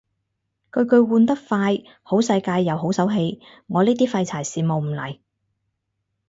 巨巨換得快好世界又好手氣，我呢啲廢柴羨慕唔嚟